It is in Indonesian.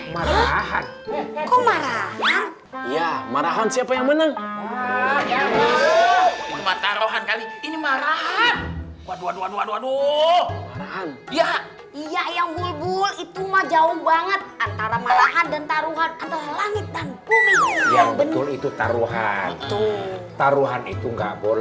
marahan marahan siapa yang menang